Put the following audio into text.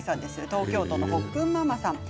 東京都の方です。